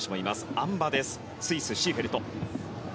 あん馬です、シーフェルト。